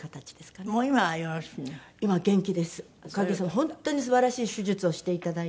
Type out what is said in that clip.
本当に素晴らしい手術をしていただいて。